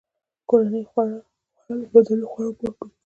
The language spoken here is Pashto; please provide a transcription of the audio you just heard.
کورني خواړه له بازاري خوړو پاک وي.